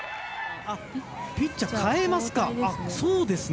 ピッチャー代えますか。